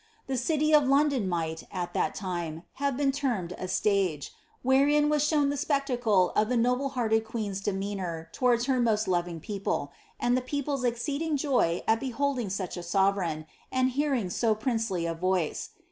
The city of London might, al that tim% have been termed a ttagt^^ wherein was shown the spectacle of the noUa^ hearted queen's demeanour towards her most loving people, and Ai people's exceeding joy at beholding such a sovereign^ aixl hearing sa princely a voice.